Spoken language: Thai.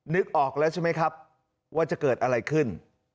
นึกออกแล้วใช่ไหมครับว่าจะเกิดอะไรขึ้น